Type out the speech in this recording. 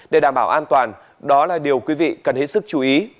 để đảm bảo an toàn đó là điều quý vị cần hết sức chú ý